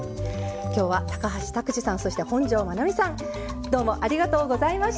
今日は高橋拓児さんそして、本上まなみさんどうもありがとうございました。